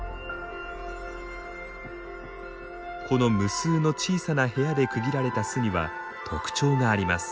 この無数の小さな部屋で区切られた巣には特徴があります。